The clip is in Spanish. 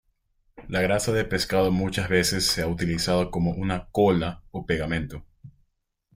La grasa de pescado muchas veces se ha utilizado como una "cola" o pegamento.